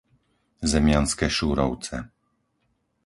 Zemianske Šúrovce